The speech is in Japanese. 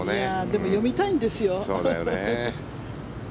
でも読みたいんですよ。